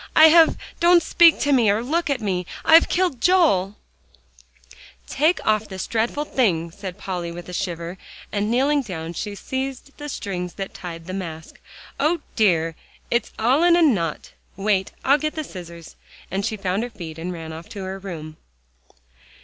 "I have don't speak to me, or look at me. I've killed Joel!" "Take off this dreadful thing," said Polly with a shiver, and kneeling down, she seized the strings that tied the mask. "O dear! it's all in a knot. Wait, I'll get the scissors," and she found her feet, and ran off to her room.